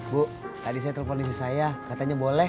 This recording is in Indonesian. bu tadi saya teleponin si saya katanya boleh